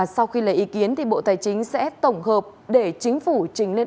sau khi lấy ý kiến bộ tài chính sẽ tổng hợp để chính phủ trình lên